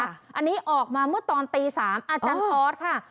อันนี้ออกมาเมื่อตอนตี๓อาจารย์ออสค่ะ